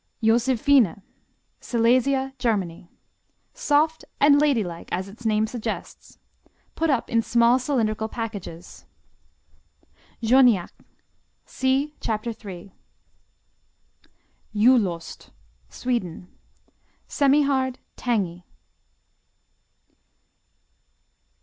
Josephine Silesia, Germany Soft and ladylike as its name suggests. Put up in small cylindrical packages. Journiac see Chapter 3. Julost Sweden. Semihard; tangy.